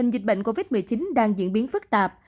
dịch bệnh covid một mươi chín đang diễn biến phức tạp